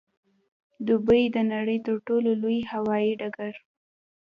دوبۍ د نړۍ د تر ټولو لوی هوايي ډګر